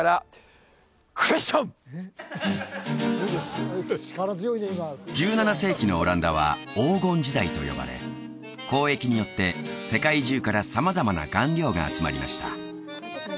それではここで１７世紀のオランダはと呼ばれ交易によって世界中から様々な顔料が集まりました